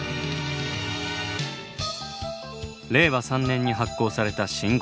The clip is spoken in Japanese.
令和３年に発行された新五百円玉。